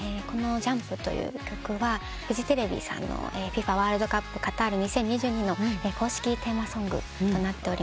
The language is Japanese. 『ＪＵＭＰ』という曲はフジテレビさんのＦＩＦＡワールドカップカタール２０２２の公式テーマソングとなっておりまして。